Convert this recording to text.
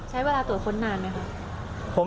ใช้เวลาตรวจค้นนานไหมคะ